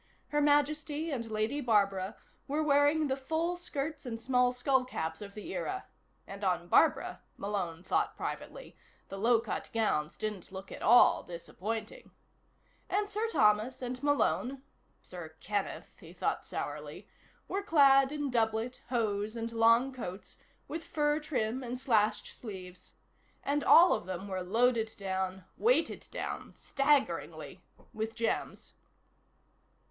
Her Majesty and Lady Barbara were wearing the full skirts and small skullcaps of the era (and on Barbara, Malone thought privately, the low cut gowns didn't look at all disappointing), and Sir Thomas and Malone (Sir Kenneth, he thought sourly) were clad in doublet, hose and long coats with fur trim and slashed sleeves. And all of them were loaded down, weighted down, staggeringly, with gems.